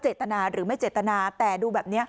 เจตนาหรือไม่เจตนาแต่ดูแบบนี้